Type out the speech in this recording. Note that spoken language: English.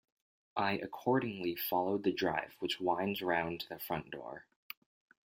I accordingly followed the drive which winds round to the front door.